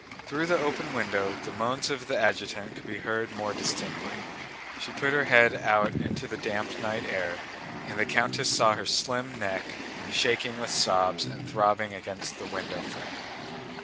Through the open window the moans of the adjutant could be heard more distinctly. She put her head out into the damp night air, and the countess saw her slim neck shaking with sobs and throbbing against the window frame.